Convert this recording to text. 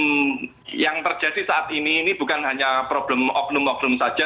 yang terjadi saat ini ini bukan hanya problem oknum oknum saja